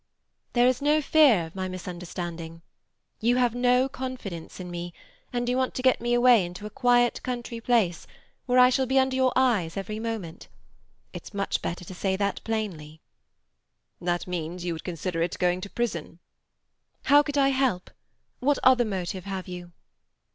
"There is no fear of my misunderstanding. You have no confidence in me, and you want to get me away into a quiet country place where I shall be under your eyes every moment. It's much better to say that plainly." "That means you would consider it going to prison." "How could I help? What other motive have you?"